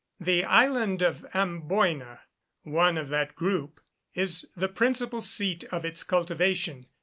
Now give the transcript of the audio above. The island of Amboyna, one of that group, is the principal seat of its cultivation.